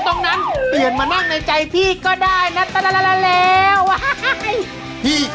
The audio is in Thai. โอ๊ยบารมีเกิด